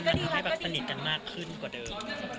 กันทีนี้ยังงั้นมันให้สนิทกันมากขึ้นกว่าเดิม